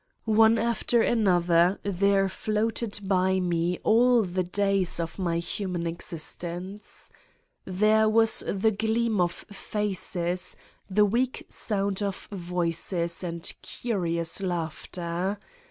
One after another there floated by me all the days of my human exist 131 Satan's Diary ence. There was the gleam of faces, the weak sound of voices and curious laughter.